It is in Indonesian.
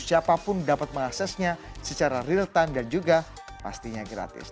siapapun dapat mengaksesnya secara real time dan juga pastinya gratis